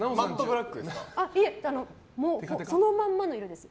もう、そのまんまの色です。